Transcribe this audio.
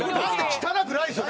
汚くないんですよ。